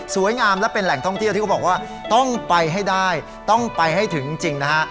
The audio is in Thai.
และเป็นแหล่งท่องเที่ยวที่เขาบอกว่าต้องไปให้ได้ต้องไปให้ถึงจริงนะฮะ